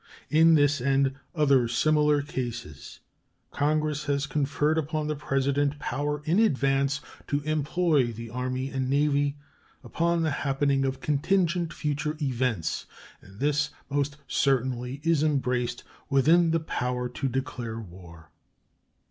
In this and other similar cases Congress have conferred upon the President power in advance to employ the Army and Navy upon the happening of contingent future events; and this most certainly is embraced within the power to declare war.